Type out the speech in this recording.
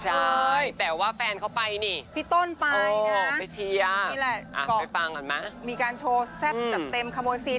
ใช่แต่ว่าแฟนเขาไปนี่พี่ต้นไปนะนี่แหละมีการโชว์แซ่บจัดเต็มขโมยซีน